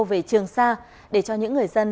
về trường xa để cho những người dân